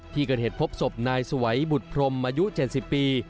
ที่เกิดเหตุพบศพนายสวัยบุตรพรมอายุ๗๐ปี